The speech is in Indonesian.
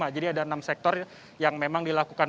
jadi ada enam sektor yang memang dilakukan